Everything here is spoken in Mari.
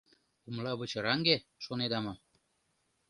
Умлавычыраҥге, шонеда мо?